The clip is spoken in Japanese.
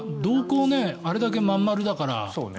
瞳孔があれだけ真ん丸だから。